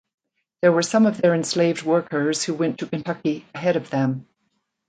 There were some of their enslaved workers who went to Kentucky ahead of them.